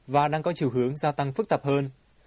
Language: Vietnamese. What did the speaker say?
và đang có chiều hướng gia tăng phức tạp hơn